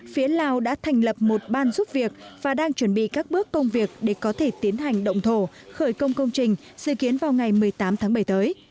phía lào đã thành lập một ban giúp việc và đang chuẩn bị các bước công việc để có thể tiến hành động thổ khởi công công trình dự kiến vào ngày một mươi tám tháng bảy tới